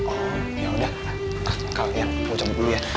oh yaudah kalian gue coba dulu ya